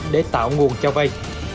để tạo nguồn cho vây